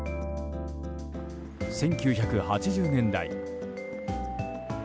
１９８０年代。